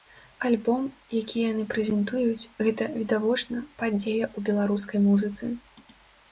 Альбом, які яны прэзентуюць, гэта, відавочна, падзея ў беларускай музыцы.